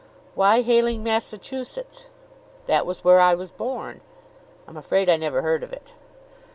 "Why Hayling, Massachusetts?" "That was where I was born." "I'm afraid I never heard of it."